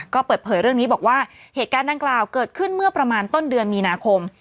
ก็เปิดเผยเรื่องนี้บอกว่าเหตุการณ์ดังกล่าวเกิดขึ้นเมื่อประมาณต้นเดือนมีนาคม